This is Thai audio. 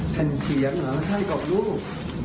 แผ่นเสียงให้กับลูก